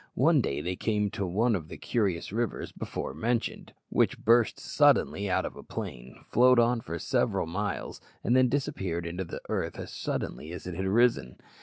One day they came to one of the curious rivers before mentioned, which burst suddenly out of a plain, flowed on for several miles, and then disappeared into the earth as suddenly as it had risen.